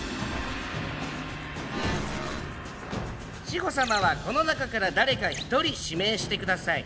志法様はこの中から誰か一人指名してください。